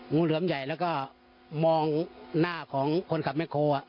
งูเหลือมใหญ่แล้วก็มองหน้าของคนขับแคล